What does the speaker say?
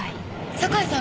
酒井さん